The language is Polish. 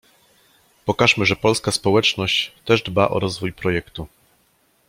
pokażmy, że polska społeczność też dba o rozwój projektu!